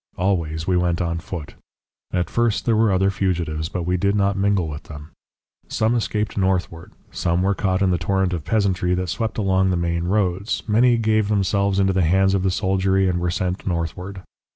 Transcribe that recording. Always we went on foot. At first there were other fugitives, but we did not mingle with them. Some escaped northward, some were caught in the torrent of peasantry that swept along the main roads; many gave themselves into the hands of the soldiery and were sent northward.